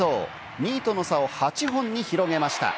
２位との差を８本に広げました。